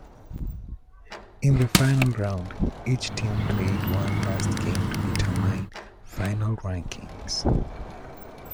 In the final round, each team played one last game to determine final rankings.